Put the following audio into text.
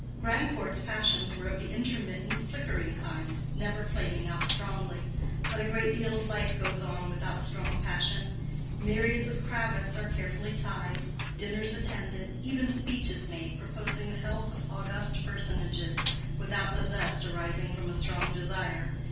Grandcourt's passions were of the intermittent, flickering kind: never flaming out strongly. But a great deal of life goes on without strong passion: myriads of cravats are carefully tied, dinners attended, even speeches made proposing the health of august personages without the zest arising from a strong desire.